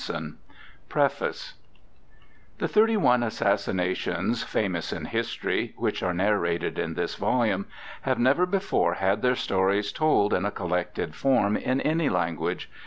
{v} Preface THE thirty one assassinations, famous in history, which are narrated in this volume, have never before had their stories told in a collected form in any language.